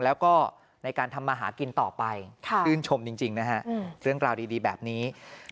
แล้วก็ในการทำมาหากินต่อไปชื่นชมจริงนะฮะเรื่องราวดีแบบนี้